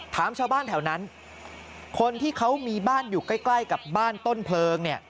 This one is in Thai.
ถามชาวบ้านแถวนั้นคนที่เขามีบ้านอยู่ใกล้ใกล้กับบ้านต้นเพลิงเนี่ย